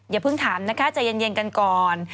อย่าเพิ่งถามนะคะใจเย็นกันก่อน